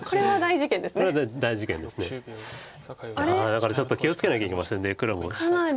だからちょっと気を付けなきゃいけません黒も。